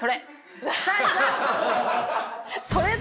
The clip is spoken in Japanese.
それ。